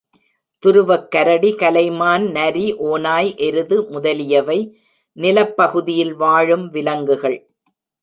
துருவக் கரடி, கலைமான், நரி, ஓநாய், எருது முதலியவை நிலப் பகுதியில் வாழும் விலங்குகள்.